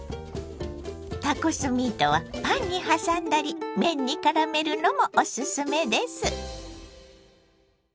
タコスミートはパンに挟んだり麺にからめるのもおすすめです。